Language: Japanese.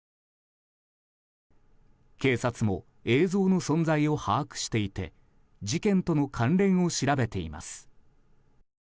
警察も映像の存在を把握していて事件との関連を調べています。